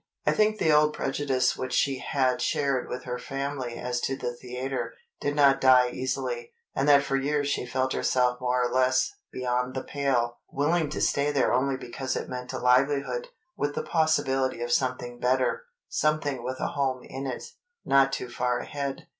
I think the old prejudice which she had shared with her family as to the theatre, did not die easily, and that for years she felt herself more or less "beyond the pale," willing to stay there only because it meant a livelihood, with the possibility of something better, something with a home in it, not too far ahead.